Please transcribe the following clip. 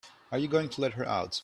Are you going to let her out?